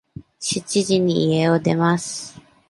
七時に家を出ます。